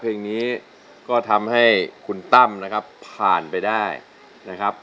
เพลงนี้ก็ทำให้คุณตั้มนะครับผ่านไปได้นะครับ